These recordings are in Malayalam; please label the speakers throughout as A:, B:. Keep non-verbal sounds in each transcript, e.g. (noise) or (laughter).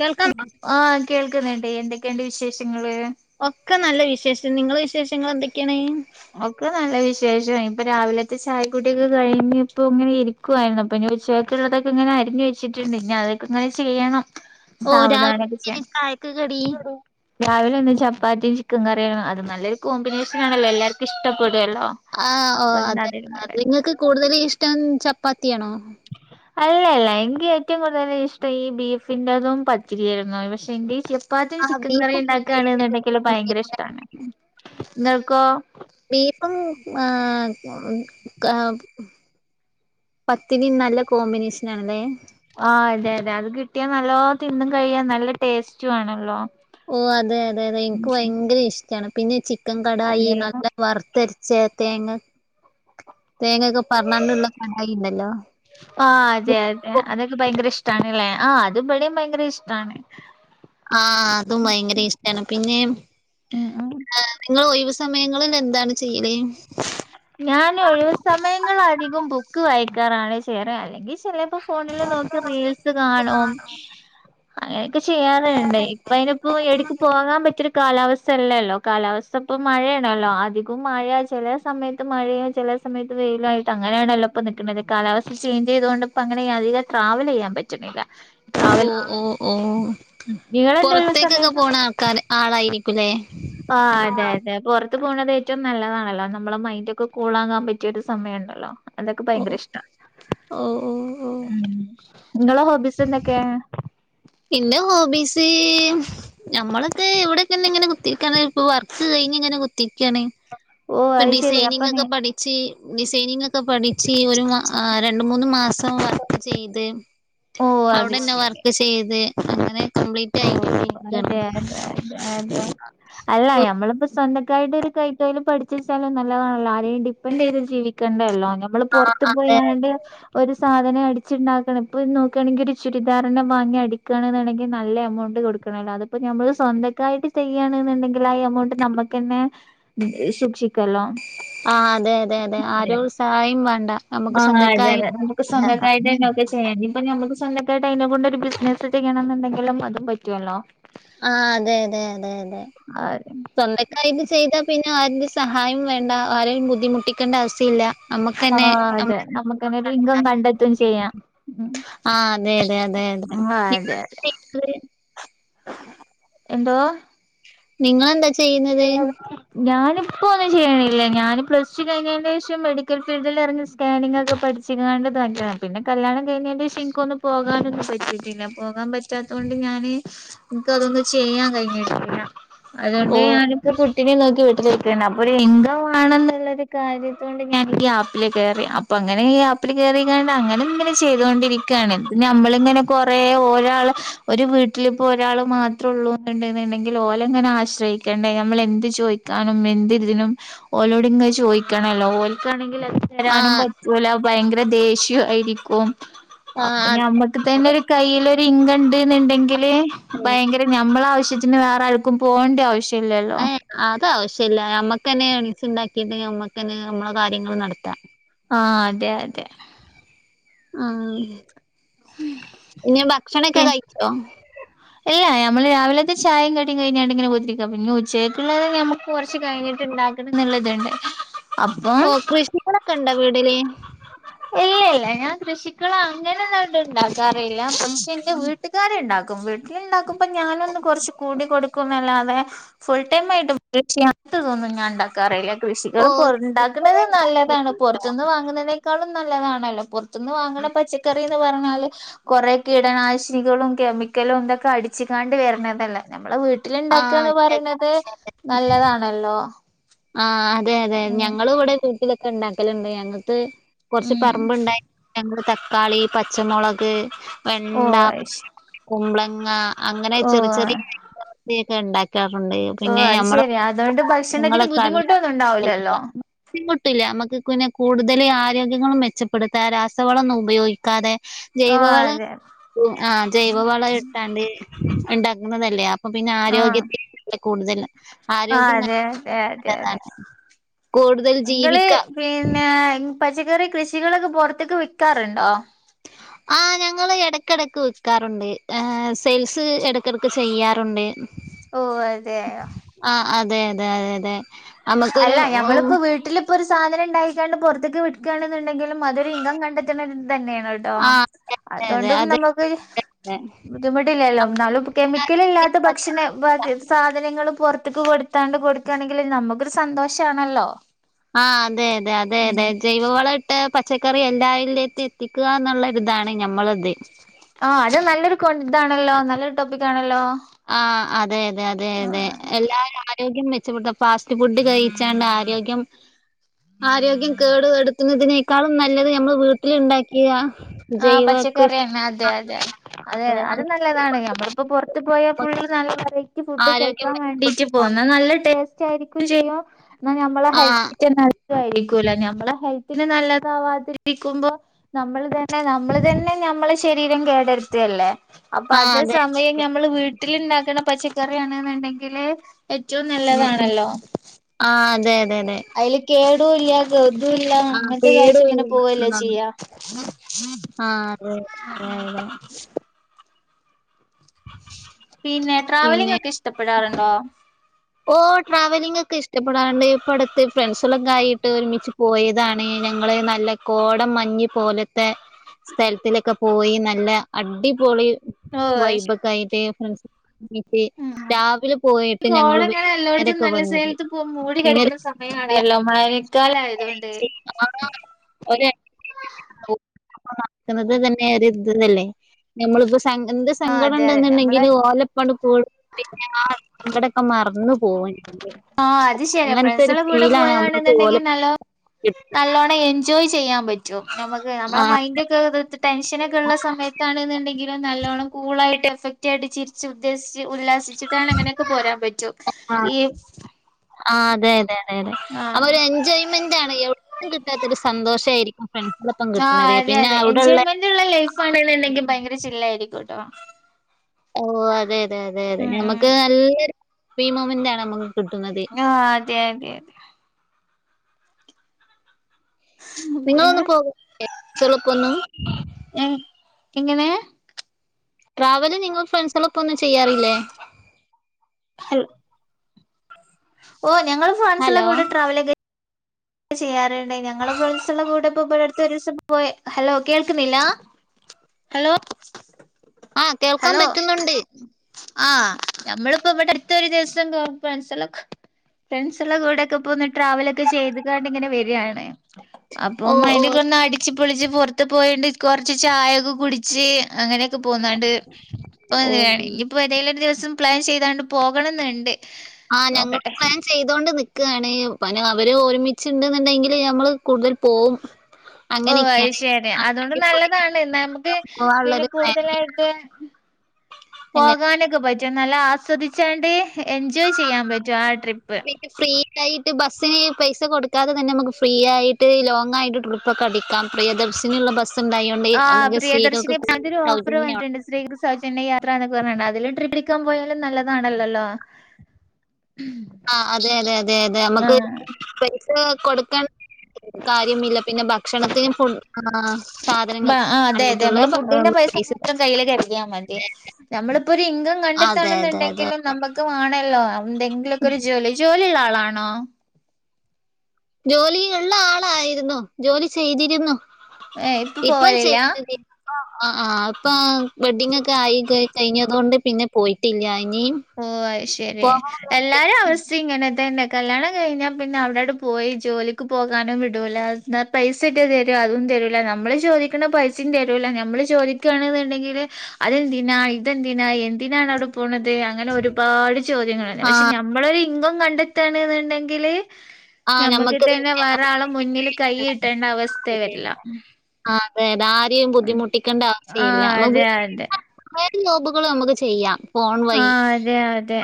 A: കേൾക്കാം
B: ആ കേൾക്കുന്നുണ്ട് എന്തൊക്കെയൊണ്ട് വിശേഷങ്ങൾ
A: ഒക്കെ നല്ല വിശേഷം നിങ്ങള വിശേഷങ്ങൾ എന്തൊക്കെയാണ്
B: ഒക്കെ നല്ല വിശേഷ ഇപ്പൊ രാവിലത്തെ ചായക്കുടിയൊക്കെ കഴിഞ്ഞ് ഇപ്പോ ഇങ്ങനെ ഇരിക്കുവായിരുന്നു അപ്പൊ ഞ ഉച്ചേക്കുള്ളതൊക്കെ ഇങ്ങനെ അരിഞ്ഞ് വച്ചിട്ടുണ്ട് ഇനി അതൊക്കെ ഒന്ന് ചെയ്യണം
A: ഓ
B: സാവധാനൊക്കെ
A: രാവിലെ
B: ചെയ്യാം
A: ചായക്ക് കടി
B: രാവിലെ ഇന്ന് ചപ്പാത്തിയും ചിക്കൻ കറിയും അത് നല്ലൊരു കോമ്പിനേഷൻ ആണല്ലോ എല്ലാർക്കും ഇഷ്ടപ്പെട്ടും
A: ആ ഓ അതെ നിങ്ങൾക്ക് കൂടുതൽ ഇഷ്ടം ചപ്പാത്തിയാണോ
B: അല്ലല്ല എനിക്ക് ഏറ്റവും കൂടുതൽ ഇഷ്ടം ഈ ബീഫിന്റതും പത്തിരിയായിരുന്നു പക്ഷെ എന്റെ പ്പാത്തിയും
A: ആ
B: ചിക്കൻ
A: ബീഫും
B: കറിയും ഉണ്ടാക്കുകയാണെന്നുണ്ടെങ്കില് ഭയങ്കര ഇഷ്ടാണ് ഇങ്ങൾക്കോ
A: ബീഫും ആ ക പത്തിരി നല്ല കോമ്പിനേഷനണല്ലേ
B: ആ അതെ അതെ അത് കിട്ടിയാ നല്ലോ തിന്നും കഴിയാ നല്ല ടേസ്റ്റു ആണല്ലോ
A: ഓ അതെ അതെ അതെ എനിക്ക് ഭയങ്കര ഇഷ്ടാണ് പിന്നെ ചിക്കൻ
B: ആഹ് അതെ
A: കടായി നല്ല വറുത്തര ച്ചെ തേങ്ങ തേങ്ങൊക്കെ പറഞ്ഞാണ്ടൊള്ള കടായി ഇണ്ടല്ലോ
B: ആ അതെ അതെ അതൊക്കെ ഭയങ്കര ഇഷ്ടണ് അല്ലേ ആ അത് ഇവിടെയും ഭയങ്കര ഇഷ്ടാണ്
A: ആ അതും ഭയങ്കര ഇഷ്ടമാണ് പിന്നെ
B: ഉം ഉം
A: നിങ്ങളൊഴിവ് സമയങ്ങളിലെന്താണ് ചെയ്യല്?
B: ഞാന് ഒഴിവു സമയങ്ങളധികം ബുക്ക് വായിക്കാറാണ് ചേയ്യാറ് അല്ലെങ്കീ ചിലേപ്പോ ഫോണിൽ നോക്കി റീൽസ് കാണും അങ്ങനെ ക്കെ ചെയ്യാറുണ്ട് ഇപ്പയ്നിപ്പോ എടേക്കും പോകാൻ പറ്റി കാലാവസ്ഥെല്ലല്ലോ കാലാവസ്ഥപ്പൊ മഴേണല്ലോ അധികും മഴ ചെലേ സമയത്ത് മഴയോ ചെലേ സമയത്ത് വെയിലോയിട്ടങ്ങനെയാണല്ലൊപ്പോം നിക്ക്ന്നത് കാലാവസ്ഥ ചേഞ്ച് ചെയ്തോണ്ട് ഇപ്പങ്ങനെ അധികംട്രാവലെയ്യാൻ പറ്റ്ണില്ല.
A: ഓ ഓ ഓ
B: നിങ്ങളെന്താ ഒഴിവ്
A: പൊറത്തേക്കൊക്കെ
B: സമയം
A: പോണ ആൾക്കാര് ആളായിരി
B: ആ അതെ അതെ പൊറ ത്ത് പോണത് ഏറ്റവും നല്ലതാണല്ലോ നമ്മള്ളെ മൈൻഡൊക്കെ കൂളാകാൻ പറ്റിയ ഒരു സമയണ്ടല്ലോ. അതൊക്കെ
A: ഓ
B: ഭയങ്കര ഇഷ്ടാ
A: ഓ ഓ ഓ
B: ഉം. ങ്ങളെ ഹോബീസ് എന്തെക്കെ
A: ന്റെ ഹോബീസ്... ഞമ്മളൊക്കെ ഇവ്ടെ തന്നെ കുത്തിരിക്കാന് ചെലപ്പോ വർക്ക് ങ്ങനെ കുത്തിര്ക്കാണ്
B: ഓ
A: ഇപ്പ
B: അത് ശെരി അപ്പൊ
A: ഡിസൈനിഗ്
B: നീ
A: ഒക്കെ പഠിച്ച് ഡിസൈനിങ്ങൊക്കെ പഠിച്ച് ഒരു മ'അ' രണ്ട് മൂന്ന് മാസ വർക്ക് ചെയ്ത്,
B: ഓ അത്
A: അവിടെന്നെ
B: ശരി
A: വർക്ക് ചെയ്ത് അങ്ങനെ കംപ്ലീറ്റ്
B: ഓ അതെ
A: ആയിട്ടിരിക്കാണ്
B: അതെ അതെ അതെ, അല്ല ഞമ്മളിപ്പോ സ്വന്ത ക്കായിട്ട് ഒരു കൈത്തൊയില് പഠിച്ചെച്ചാലും നല്ലതാണല്ലോ ആരേം ഡിപ്പെൻ്റെയ് ത്ജീവിക്കേണ്ടല്ലോ. ഞമ്മള് പൊറത്ത് പോയാണ്ട് ഒര് സാധനം അടി ണ്ടാക്കണം ഇപ്പ ഇ നോക്കയാണെങ്കിൽ ഒരു ചുരിധാറെന്നെ വാങ്ങി അടിക്കാണെന്ന്ണ്ടെങ്കീ നല്ല എമൗണ്ട് കൊടുക്കണല്ലോ അതിപ്പോ ഞമ്മള് സ്വന്തക്കായിട്ട് ചെയ്യണ്ന്ന്ണ്ടെങ്കിൽ ആ എമൗണ്ട് നമ്മക്കന്നെ സൂക്ഷിക്കലോ.
A: ആ അതെ അതെ അതെ ആരോ സഹായും വാണ്ട.
B: ആ അതെ അതെ നമ്മക്ക് സ്വന്തക്കായിട്ടെന്നെ ഒക്കെ ചെയ്യാ ഇനിപ്പൊ നമ്മക്ക് സ്വ എന്തൊക്കായിട്ട് അയിനെക്കൊണ്ടൊരു ബിസ്നസ്സ് ചെയ്യണന്നിണ്ടെങ്കിലും അതും പറ്റുല്ലോ
A: ആ അതെ അതെ അതെ അതെ.
B: ആഹ്
A: സ്വന്തക്കായിട്ട് ചെയ്താ പിന്നെ ആരുടേം സഹായം വേണ്ട ആരേം ബുദ്ധിമുട്ടിക്കണ്ട അവസ്ഥ ല്ല നമ്മുക്കെന്നെ (inaudible)
B: ആഹ് അതെ നമുക്കങ്ങനെ ഒരു ഇൻകം കണ്ടെത്തും ചെയ്യാം ഉം
A: ആ അതെ അതെ അതെ അതെ.
B: ആഹ് അതെ അതെ എന്തോ?
A: നിങ്ങളെന്താ ചെയ്യുന്നത്?
B: ഇപ്പൊന്നും ചെയ്യണില്ല ഞാന് പ്ലസ് ടു കഴിഞ്ഞേൻ്റേഷം മെഡിക്കൽ ഫീൽഡിലെറങ്ങി സ്കാനിംഗൊക്കെ പഠിച്ച്ങ്ങാ എനക്ക് ഇത് തന്ന പിന്നെ കല്യാണം കഴിഞ്ഞേൻ്റേഷം ഇൻക്കൊന്നും പോകാനൊന്നും പറ്റീട്ടില്ല പോകാൻ പറ്റ റ്റാത്ത കൊണ്ട് ഞാന് ഇൻക്കതൊന്നും ചെയ്യാൻ കഴിഞ്ഞ്ട്ട്ല്ല അതോ
A: ഓ
B: ഞാനൊക്ക കുട്ടിനേം നോക്കി വീട്ടിലിരിക്കന്നെ അപ്പൊരു ഇൻകം വാണെന്നുള്ളൊരു കാര്യത്തോണ്ട് ഞാന് ഈ ആ പ്പില് കേറി അപ്പൊങ്ങനെ ഈ ആപ്പിൽ കേറിങ്ങാണ്ട് അങ്ങനെങ്ങനെ ചെയ്തോണ്ടിരിക്കാണ് ഇത് ഞമ്മളിങ്ങനെ കൊറേ ഒരാള് ഒരു വീട്ടിലിപ്പോ ഒരാള് മാത്രോള്ളൂന്ന്ണ്ട്ന്ന്ണ്ടെങ്കീ ഓലെങ്ങനെ ആശ്രയിക്ക ണ്ട ഞമ്മളെന്ത് ചോയിക്കാനും എത്നെരിതിനും ഓലോട് ഇങ്ങനെ ചോയിക്കണല്ലോ ഓലക്കാണെങ്കീ തെരാനും
A: ആഹ്
B: പറ്റൂല ഭയങ്കര ദേഷ്യൂ ആയിരിക്കൂം. അപ്പ
A: ആഹ്
B: ഞമ്മക്ക് തന്നെ
A: അതെ
B: ഒരു കയ്യിലൊരിങ്കണ്ട്ന്ന്ണ്ടെങ്കി (unintelligible) ഭയങ്കര ഞമ്മളാവശ്യത്തിന് വേറാർക്കും പോവണ്ട്യാവശ്യല്ലല്ലോ.
A: ചെല്ല അമ്മക്കെന്നെ ഏണിങ്ങ്സിണ്ടാക്കിട്ട് ഞമ്മക്കെന്നെ ഞമ്മളെ കാര്യങ്ങള് നടത്താ
B: ആ അതെ അതെ.
A: ആ ഇനി ഭക്ഷണെക്കെ കഴിച്ചോ?
B: അല്ല ഞമ്മള് രാവിലെത്തെ ചായേം കടിയും കെഴിഞ്ഞട്ട്ങ്ങനെ കുത്തിരിക്ക പിന്നെ ഉച്ചേക്കള്ളത് ഞമ്മക്ക് കൊറച്ച് കയ് ണ്ടാക്കണംന്ന്ള്ളത്ണ്ട്.
A: ഓ കൃഷികളൊക്കെണ്ടോ വീടില്?
B: ഇല്ല ഇല്ല ഞാൻ കൃഷിക്കള് അങ്ങനെ ഒന്നും ഉണ്ടാക്കാറില്ല പക്ഷെൻ്റെ വീട്ടുകാർ ഉണ്ടാക്കും വീ വീട്ടില്ണ്ടാക്കുമ്പ ഞാനൊ കൊറച്ച് കൂടി കൊടുക്കുന്നല്ലാതെ ഫുൾ ടൈം ആയിട്ട് (unintelligible) ഞാൻ ഉണ്ടാക്കാറില്ല.
A: ഓ
B: കൃഷികള് പുറ ഇണ്ടാക്കുന്നത് നല്ലതാണ് പുറത്തൂന്ന് വാങ്ങുന്നതിനേക്കാളും നല്ലതാണല്ലോ പുറ പുറത്തൂന്ന് വാങ്ങണ പച്ചക്കറീന്ന് പറഞ്ഞാല് കൊറേ കീടനാശിനികളും കെമിക്കലും ഇതൊക്കെ അടിച്ചിക്കാണ്ട് വരുന്നതല്ലേ നമ്മട വീട്ട വീട്ടിലുണ്ടാക്കുകാന്ന്
A: ആഹ്
B: പറയണത് നല്ലതാണല്ലോ.
A: ആ അതെ അതെ
B: ഉം
A: ഞങ്ങളും ഇവിടെ വീട്ടിലൊക്കെ ഇണ്ടാക്കലുണ്ട് ഞങ്ങൾക്ക് കൊറച്ച്
B: ഉം
A: പറമ്പിണ്ടായി ഞങ്ങള് തക്കാളി പച്ചമൊളക്
B: ഓ
A: വെണ്ട കുമ്പ്ലങ്ങ അങ്ങനെ ചെറി
B: ഓ
A: ചെറിയ (unintelligible) ഇണ്ടാക്കി ക്കാറുണ്ട്
B: ഓ
A: പിന്നെ
B: അത്
A: നമ്മകളെ
B: ശെരി അതുകൊണ്ട്
A: (unintelligible)
B: ഭക്ഷണത്തിന്
A: നിങ്ങള് ഉണ്ടാകുന്ന
B: ബുദ്ധിമുട്ടൊന്നും ഉണ്ടാവൂലല്ലോ
A: (unintelligible) ബുദ്ധിമുട്ടില്ലാ നമ്മക്ക് പിന്നെ കൂടുതല് ആരോഗ്യങ്ങളും മെച്ചപ്പെടുത്താ രാസവളോന്നും ഉപയോഗിക്കാതെ
B: ആ
A: ജൈവവള
B: അതെ
A: ആ ജൈവവളം ഇട്ടാണ്ട് ഇണ്ടാക്കുന്നതല്ലേ അപ്പൊ പിന്നെ
B: ആ
A: ആരോഗ്യത്തെ കൂടുതലും
B: ആ അതെ അതെ അതെ അതെ
A: കൂടുതൽ
B: നിങ്ങള്
A: ജീവിക്ക
B: പിന്നെ പച്ചക്കറി കൃഷികളൊക്കെ പുറത്തേക്ക് വിക്കാറുണ്ടോ?
A: (inaudible) ആ ഞങ്ങള് ഇടക്കിടക്ക് വിൽക്കാറുണ്ട്. സെയിൽസ് ഇടക്കിടക്ക് ചെയ്യാറുണ്ട്.
B: ഓ അതെയോ.
A: ആ അതെ അതെ അതെ അതെ നമുക്കൊരു
B: അല്ല
A: ഉം,
B: ഞമ്മളിപ്പോ വീട്ടിലിപ്പൊ ഒരു സാധന ഇണ്ടായിണ്ട് പുറത്തേക്ക് വിൽക്കാന്നുണ്ടെങ്കിലും അതൊരു ഇൻകം കണ്ടെത്തണണ്ട്. തന്നെയാണ് ട്ടോ
A: ആ അതെ അതെ
B: അതുകൊണ്ടും
A: അതെ
B: നമ്മുക്ക്
A: അതെ
B: ബുദ്ധിമുട്ടില്ലല്ലോ എന്നാലും കെമിക്കലില്ലാത്ത ഭക്ഷണ സാധനങ്ങളും പൊറത്തേക്ക് കൊടുത്താണ്ട് കൊടുക്കുയാണെങ്കി നമുക്കൊരു സന്തോഷാണല്ലോ.
A: ആ അതെ അതെ അതെ
B: ഉം
A: അതെ ജൈവ വളം ഇട്ട്. പച്ചക്കറി എല്ലാവരിലേക്കും എത്തിക്കുക എന്നുള്ളരിതാണ് ഞമ്മളത്.
B: ആ അത് നല്ലൊരു കോ ഇതാണല്ലോ നല്ലൊരു ടോപ്പിക്കണല്ലോ.
A: ആ അതെ അതെ അതെ അതെ എല്ലാരും ആരോഗ്യം മെച്ചപ്പെടുത്ത ഫാസ്റ്റ് ഫുഡ് കഴിച്ചാണ്ട് ആരോഗ്യം ആരോഗ്യം കേടു എടുത്തുന്നതിനേക്കാളും നല്ലത് നമ്മള് വീട്ടിലുണ്ടാക്കിയ
B: ആഹ്
A: ജൈവ കൃ
B: പച്ചക്കറിയന്നെ അതെ അതെ
A: (unintelligible)
B: അതെ അത് നല്ലതാണ് നമ്മളിപ്പോ പൊറത്ത് പോയാ ഫുളള് നല്ല വെറൈറ്റി ഫുഡ്
A: ആരോഗ്യം
B: കഴിക്കാൻ വേണ്ടീട്ട്
A: മെച്ചപ്പെടുത്താം
B: പോകുന്നു നല്ല ടേസ്റ്റ് ആയിരിക്കും ചെയ്യും എന്നാ നമ്മളെ
A: ആഹ്
B: ഹെൽത്തിക്ക് നല്ലതായിരിക്കൂല്ലാ നമ്മളെ ഹെൽത്തിന് നല്ലതാവാതിരി ക്കുമ്പോ നമ്മള് തന്നെ നമ്മള് തന്നെ നമ്മളെ ശരീരം കേടരുത്തല്ലേ അപ്പൊ
A: ആഹ്
B: അതേ
A: അതെ
B: സമയം
A: അതെ
B: ഞമ്മള് വീട്ടിലിണ്ടാക്കണ പച്ചക്കറിയണെന്നുണ്ടെങ്കില് ഏറ്റവും നല്ല നല്ലതാണല്ലോ.
A: ആ
B: അയില് കേടുമില്ലാ ഗതൂല്ലാ
A: ആഹ്
B: അങ്ങനത്തെതായിട്ട് ഇങ്ങനെ
A: കേടുല്ല
B: പോവല്ലേ ചെയ്യാ
A: ആ അതെ അത അതെ
B: പിന്നെ
A: പിന്നെ
B: ട്രാവലിങ്ങ് ഒക്കെ ഇഷ്ടപ്പെടാറുണ്ടോ?
A: ഓ ട്രാവലിങ്ങ് ഒക്കെ ഇഷ്ടപ്പെടാറിണ്ട്. ഇപ്പൊ അടുത്ത് ഫ്രണ്ട്സൊക്കെ ആയിട്ട് ഒരുമിച്ച്. പോയതാണ് ഞങ്ങള് നല്ല കോടം മഞ്ഞ് പോലത്തെ സ്ഥലത്തിലൊക്കെ പോയി. നല്ല അടിപൊളി
B: ഓഹ് ഇഷ്
A: വൈബൊക്കെ ആയിട്ട് ഫ്രണ്ട്സ്
B: ഉം
A: രാവിലെ പോയിട്ട് ഞങ്ങള് ങ്ങരൊക്കെ
B: കോടങ്ങനെ എല്ലോടത്തും നല്ല സേലത്ത് പോ മൂടി കെടക്കുന്ന സമയാണല്ലോ മഴക്കാലായതുകൊണ്ട്
A: (unintelligible) (inaudible) ഒരു (unintelligible) ഒക്കുന്നത് തന്നെ ഇതല്ലേ നമ്മളിപ്പോ എന്ത്
B: ആഹ് അതെ അതെ നമ്മളെ
A: സങ്കടിണ്ടെന്നുണ്ടെങ്കില് ഓലിപ്പണ സ് പിന്നെ ആ സങ്കടൊക്കെ മറന്നു പോക
B: ആ അത് ശെരി അ ഫ്രണ്ട്സിൻ്റെ കൂടെ
A: നമ്മക്ക്
B: പോകാണ്ടെന്നുണ്ടെങ്കി
A: ഓലെ
B: നല്ലോ നല്ലോണ്ണം എൻജോയ് ചെയ്യാൻ പറ്റും. നമുക്ക് നമ്മളെ
A: ആഹ്
B: മൈൻഡൊക്കെ ടെൻഷനൊക്കെ ഉള്ള സമയത്താണ്ണെന്നുണ്ടെങ്കിലും. നല്ലോണ്ണം കൂളായിട്ട് എഫക്റ്റ് ആയിട്ട് ചിരിച്ച്ട്ട് (unintelligible) ഉല്ലാസിച്ചിട്ടാണ് അങ്ങനെയൊക്കെ പോരാൻ പറ്റും. ഏ
A: ആ അതെ അതെ അതെ അതെ അപ്പ ഒരു എൻജോയ്മെന്റ് ആണ് എവിടേം കിട്ടാത്ത ഒരു സന്തോഷ ആയിരിക്കും. ഫ്രണ്ട്
B: ആ അതെ അതെ എൻജോയ്മെന്റ് ള്ള ലൈഫ് ആണുനുണ്ടങ്കിൽ ഭയങ്കര ചില്ലായിയിരിക്കും. ട്ടോ
A: ഓ അതെ അതെ അതെ അതെ
B: ഉം ഉം
A: നമക്ക് നല്ലരു ഭീമോമൻറ്റാണ്. നമ്മക്ക്
B: ആ അതെ അതെ അതെ
A: നിങ്ങളൊന്നു
B: പിന്നെ
A: പോകൂല്ലേ (unintelligible) ഒന്നും
B: എ എങ്ങനെ
A: ട്രാവല് നിങ്ങൾ ഫ്രണ്ട്സോളപ്പന്നും ചെയ്യാറില്ലേ.
B: ഹൽ ഓ ഞങ്ങള് ഫ്രൻസ്ല്ല
A: ഹലോ
B: കൂടെ ട്രാവൽക്കെ ചെയ്യാറുണ്ട്. ഞങ്ങള് ഫ്രസള്ളകൂടെ ബെടഡ്ത്ത്. ഒരൂസം പോയെ ഹലോ കേൾക്കുന്നില്ല. ഹലോ.
A: ആ കേൾക്കാൻ പറ്റുന്നുണ്ട്.
B: ആ നമ്മളിപ്പോ എവ്ടെ അടുത്തഒരു ദിവസം ഫ്രൻസ്ളോക്ക ഫ്രൻസ് ളെ കൂടെയൊക്കെ പോന്നിട്ട് ട്രാവലൊക്കെ ചെയ്ത്ക്കാണ്ട് ഇങ്ങനെ വരാണ്. അപ്പൊ
A: ഓ ഓ
B: മൈന്റ്റ് ഒന്ന് അടിച്ച് പൊളിച് പോർ അത്ത് പോയണ്ട് കുറച്ച് ചായയൊക്കെ കുടിച്ച് അങ്ങനെയൊക്കെ പോന്നാണ്ട്
A: ഓ
B: ഇയിപ്പോ ഏതെലിലും ഒരു ദിവസം പ്ലാൻ ചെയ്താണ്ട് പോകണംന്നുണ്ട്.
A: ആ ഞങ്ങളും
B: നോക്കട്ടെ
A: പ്ലാൻ ചെയ്തോണ്ട് നി നിക്കാണ് അവര് ഒരുമിച്ചുണ്ടെന്നുണ്ടെങ്കിൽ നമ്മള് കൂടുതൽ പോകും.
B: ഓ അത് ശരി അതുകൊണ്ട് നല്ലതാണ്. നമുക്ക് പിന്നെ
A: പോവാനുള്ളൊരു പ്ലാനിങ്
B: കൂടുതലായിട്ട്
A: അങ്ങനെ
B: പോകാനക്ക പറ്റും നല്ല ആസ്വദിച്ചാണ്ട്. എൻജോയ് ചെയ്യാൻ പറ്റോ. ആ ട്രിപ്പ്
A: പിന്നെ ഫ്രീ ആയിട്ട് ബസ്സിന് ഈ പൈസ കൊടുക്കാതെ തന്നെ നമുക്ക് ഫ്രീ ആയിട്ട് ലോങ് ആയിട്ട് ട്രിപ്പ്ക്കെടിക്കാം പ്രിയദർശിനി ഉള്ള ബസ്സ്‌ ബസ് ഉണ്ടായോണ്ട്
B: ആ
A: നമുക്ക് സ്ത്രീകൾക്ക്
B: പ്രിയദർശിനി
A: കൂടുതൽ
B: ആതിരു ഓഫർ
A: സൗജന്യമാണ്.
B: വന്നിട്ടുണ്ട് ശ്രീകൃ സൗജന്യ യാത്ര എന്നൊക്ക പറഞ്ഞണ്ട് അതിലും ട്രി ക്കാൻ പോയാലും നല്ലതാണല്ലല്ലോ.
A: ആ അതെ അതെ അതെ അതെ നമ്മുക്ക്
B: ആഹ്
A: പൈസ കൊടുക്ക കാര്യമില്ല പിന്നെ ഭക്ഷണത്തിന് ഫു സാധനങ്ങൾ വണ്ടിട്ടുള്ള (unintelligible)
B: കയ്ൽ കരുതിയാമതി. നമ്മൾ പ്പോ ഇങ്കം
A: അതെ അതെ അതെ
B: കണ്ടെത്തണെന്നുണ്ടെങ്കിലും നമക്ക് വേണല്ലോ എന്തെങ്കിലൊക്കെ ജോലി ജോലിയുള്ള ആളാണോ
A: ജോലിള്ള ആളായിരുന്നു ജോലി ചെയ്തിരുന്നു
B: ഏ ഇപ്പൊ
A: ഇപ്പം
B: പോവലില്ല
A: ചെയ്യുന്നതില്ല ആ ആ അപ്പ വെഡ്ഡിങ് ഒക്കെ ആയി കഴിഞ്ഞതൊണ്ട് പിന്നെ പോയിട്ടില്ല ഇനിയും
B: ഓ അ ശരി
A: പോകണമെന്നുണ്ട്
B: എല്ലാരും അവസ്ഥ ഇങ്ങനെ തന്നെ കല്യാണം കഴിഞ്ഞാൽ പിന്നെ അവിടെടെ പോയി ജോലിക്ക് പോകാനും വിടൂല എന്നാൽ പൈസട്ട് തരോ അതും തരൂല നമ്മള് ചോദിക്കണ പൈസേം തരൂല നമ്മൾ ചോദിക്കുകയാണെന്നുണ്ടെങ്കിൽ അതെന്തിന ഇത് എന്തിനാ നാ എന്തിനാണോട് പോണത് അത അങ്ങനെ ഒരുപാട് ചോദ്യങ്ങളണ്ട്
A: ആ
B: പക്ഷെ നമ്മളൊരു ഇകം കണ്ടെത്താണ് എന്നുണ്ടെങ്കിൽ
A: (unintelligible)
B: ഞമ്മക്ക്ട്ട ന്നെ
A: തന്നെ ആ
B: വേറെ ആള മുന്നില് കൈ ഇിട്ടേണ്ട അവസ്ഥ വരില്ല
A: അത താരെയും
B: ഉം
A: ബുദ്ധിമുട്ടിക്കേണ്ട അവസ്ഥയില്ല
B: ആഹ് അതെ അതെ.
A: നമ്മുക്ക്ജോബുകൾ നമുക്ക് ചെയ്യാം ഫോൺ
B: ആ
A: വഴി
B: അതെ അതെ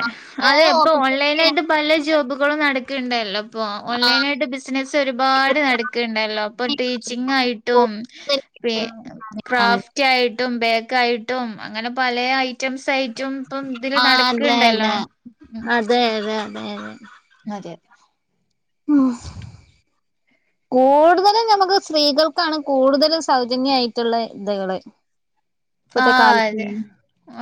B: അതെ
A: വേറെ
B: ഇപ്പൊ ഓൺലൈന ആയിട്ട്
A: ഞങ്ങൾക്ക്
B: പല ജോബുകളും നടക്കണ്ടല്ലോ ഇപ്പൊ ഓൺലൈന ആയിട്ട് ബിസിനസ്
A: ഇപ്പൊ
B: ഒരുപാട് നടക്കണ്ടല്ലോ അപ്പൊ
A: തന്നെ
B: ടീച്ചിങ്
A: ഉണ്ടല്ലോ.
B: ആയിട്ടും
A: കൂടുതൽ
B: പി
A: കിട്ടുന്ന കാര്യങ്ങളാണ്.
B: ക്രാഫ്റ്റ് ആയിട്ടും ബേക് ആയിട്ടും അങ്ങനെ പല ഐറ്റംസ് ആയിട്ടും ഇപ്പം ഇതില്
A: ആ അതെ
B: നടക്ക്ണ്ടല്ലോ
A: അതെ
B: ഉം
A: അതെ അതെ അതെ അതെ
B: അതെ
A: ആ കൂടുതലും നമുക്ക് സ്ത്രീകൾക്കാണ് കൂടുതലും സൗജന്യയിട്ടുള്ള ഇത്കള്
B: ആ അതെ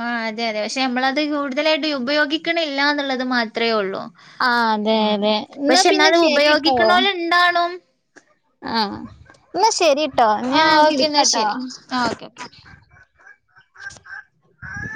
B: ആ അതെ അതെ പക്ഷെ നമ്മളത് കൂടുതലായിട്ട് ഉപയോഗിക്ക ക്കണില്ല എന്നുള്ളത് മാത്രമേ ഉള്ളൂ?
A: ആഹ് അതെ
B: ഉം
A: അതെ എന്നാ
B: പക്ഷെ
A: പിന്നെ
B: എന്നാലത്
A: ശരിട്ടോ
B: ഉപയോഗിക്കണോല് ഇണ്ടാണും,
A: ആഹ എന്നാ ശരിട്ടോ
B: ആഹ്
A: ഞാൻ
B: ഓക്കെ എന്നാ
A: വിളിക്കാട്ടോ.
B: ശരി ആഹ് ഓക്കെ ഓക്കെ